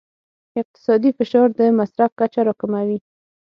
اقتصادي فشار د مصرف کچه راکموي.